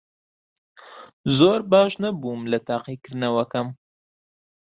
زۆر باش نەبووم لە تاقیکردنەوەکەم.